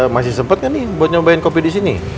masih sempet nggak nih buat nyobain kopi di sini